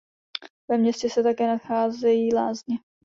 Ve městě se také nacházejí lázně.